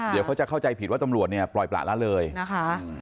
เดี๋ยวเขาจะเข้าใจผิดว่าตำรวจเนี่ยปล่อยประละเลยนะคะ